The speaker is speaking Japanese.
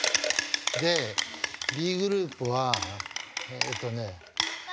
でＢグループはえっとね。